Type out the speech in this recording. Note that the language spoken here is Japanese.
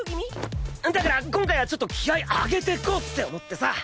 だから今回はちょっと気合アゲてこうって思ってさ！